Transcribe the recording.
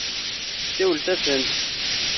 Siwlet-asent.